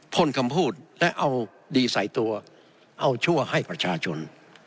พ่นคำพูดและเอาดีใส่ตัวเอาชั่วให้ประชาชน